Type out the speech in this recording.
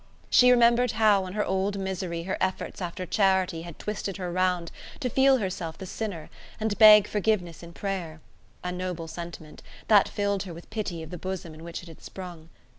She remembered how in her old misery her efforts after charity had twisted her round to feel herself the sinner, and beg forgiveness in prayer: a noble sentiment, that filled her with pity of the bosom in which it had sprung.